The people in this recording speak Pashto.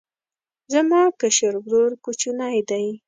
زما کشر ورور کوچنی دی